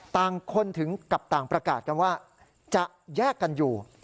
ต่างคนถึงกับต่างประกาศกันว่าจะแยกกันอยู่